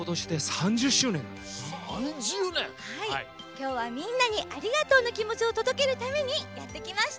きょうはみんなにありがとうのきもちをとどけるためにやってきました！